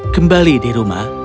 kembali di rumah